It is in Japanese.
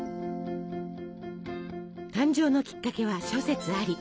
誕生のきっかけは諸説あり。